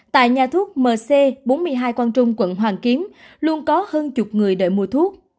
tại nhà thuốc mc bốn mươi hai quang trung quận hoàn kiếm luôn có hơn chục người đợi mua thuốc